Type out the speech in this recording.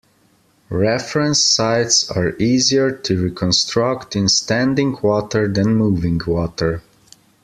Reference sites are easier to reconstruct in standing water than moving water.